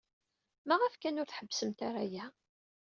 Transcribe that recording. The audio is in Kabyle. Maɣef kan ur tḥebbsemt ara aya?